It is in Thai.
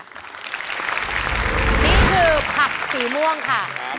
นี่คือผักสีม่วงค่ะ